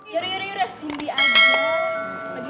yaudah yaudah yaudah simbi aja